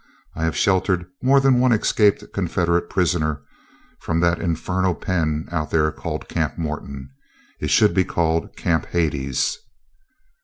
I have sheltered more than one escaped Confederate prisoner from that infernal pen out there called Camp Morton. It should be called Camp Hades."